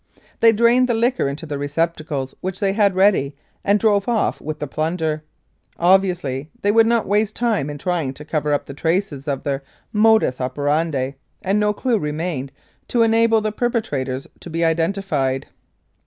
They drained the liquor into the receptacles which they had ready and drove off with the plunder. Obviously they would not waste time in trying to cover up the traces of their modus operandi, and no clue remained to enable the perpetrators to be identified.